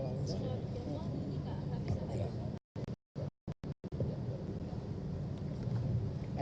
kalau tidak saya bisa